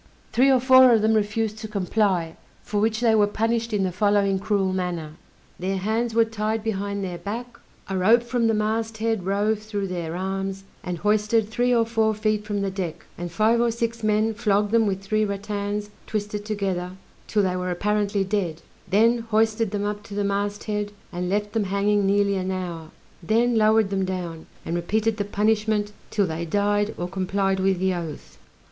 Three or four of them refused to comply, for which they were punished in the following cruel manner: their hands were tied behind their back, a rope from the mast head rove through their arms, and hoisted three or four feet from the deck, and five or six men flogged them with three rattans twisted together 'till they were apparently dead; then hoisted them up to the mast head, and left them hanging nearly an hour, then lowered them down, and repeated the punishment, 'till they died or complied with the oath.